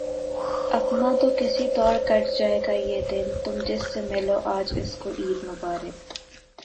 اپنا تو کسی طور کٹ جائے گا یہ دن، تم جس سے ملو آج اس کو عید مبارک